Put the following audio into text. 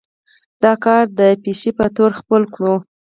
دا کار د پيشې پۀ طور خپل کړو